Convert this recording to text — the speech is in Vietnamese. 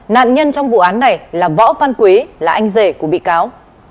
nạn nhân trong vụ án này là võ văn quý là anh rể của bị cáo